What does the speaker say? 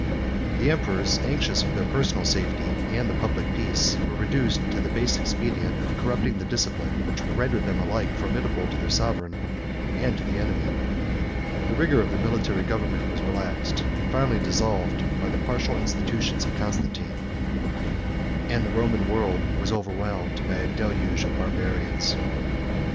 The emperors, anxious for their personal safety and the public peace, were reduced to the base expedient of corrupting the discipline which rendered them alike formidable to their sovereign and to the enemy; the vigor of the military government was relaxed, and finally dissolved, by the partial institutions of Constantine; and the Roman world was overwhelmed by a deluge of Barbarians.